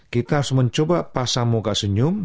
kita harus mencoba pasang muka senyum